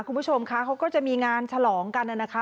คุณผู้ชมคะเขาก็จะมีงานฉลองกันนะคะ